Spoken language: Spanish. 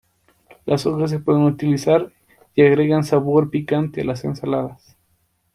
Las hojas se pueden utilizar y agregan un sabor picante a las ensaladas.